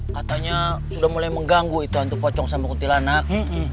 katanya sudah mulai mengganggu itu untuk pocong sama kuntilanak